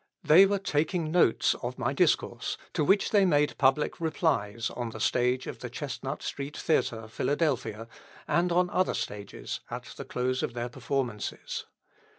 They were taking notes of my discourse, to which they made public replies on the stage of the Chestnut Street Theatre, Philadelphia, and on other stages at the close of their performances.